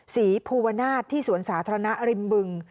ศรีภูวนาศที่สวนสาธารณะริมบึง